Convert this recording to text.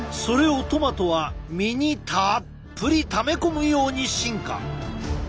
それをトマトは実にたっぷりため込むように進化。